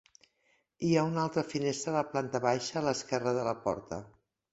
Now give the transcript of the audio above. Hi ha una altra finestra a la planta baixa a l'esquerra de la porta.